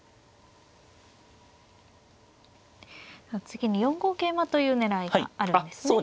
次に４五桂馬という狙いがあるんですね。